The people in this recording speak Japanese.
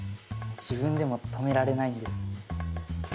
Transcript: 自分でも止められないんです。